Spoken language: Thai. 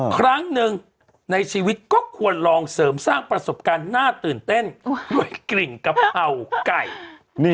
ครั้งหนึ่งในชีวิตก็ควรลองเสริมสร้างประสบการณ์น่าตื่นเต้นด้วยกลิ่นกะเพราไก่